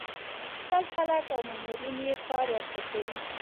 خپل خلک او منورین یې کار ورته کوي.